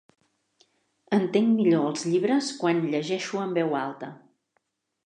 Entenc millor els llibres quan llegeixo en veu alta.